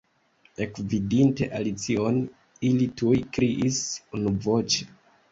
Ekvidinte Alicion, ili tuj kriis unuvoĉe.